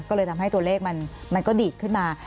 ก็เลยทำให้ตัวเลขมันก็ดีดขึ้นมา